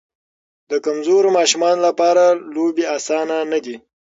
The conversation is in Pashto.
د کمزورو ماشومانو لپاره لوبې اسانه نه دي.